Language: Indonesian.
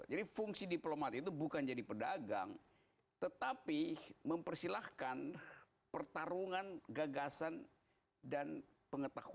jadi fungsi diplomat itu bukan jadi pedagang tetapi mempersilahkan pertarungan gagasan dan pengetahuan hukum